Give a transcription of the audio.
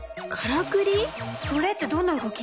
それってどんな動き？